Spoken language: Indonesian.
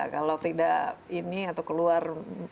kalau tidak ini atau keluar